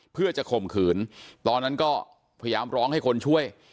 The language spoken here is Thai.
เพื่อจะข่มขืนตอนนั้นก็พยายามร้องให้คนช่วย